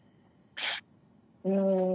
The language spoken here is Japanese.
うん。